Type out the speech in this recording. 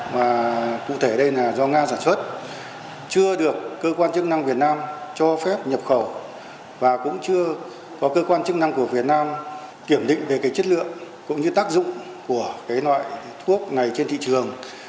mà cụ thể đây là do nga sản xuất chưa được cơ quan chức năng việt nam cho phép nhập khẩu và cũng chưa có cơ quan chức năng của việt nam kiểm định về cái chất lượng cũng như tác dụng của cái loại thuốc này trên thị trường